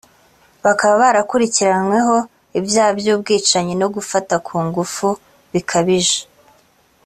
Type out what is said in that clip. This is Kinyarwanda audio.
bakaba bakurikiranweho ibyaha by’ubwicanyi no gufata ku ngufu bikabije